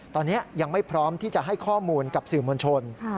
ตอนนี้ยังไม่พร้อมที่จะให้ข้อมูลกับสื่อมวลชน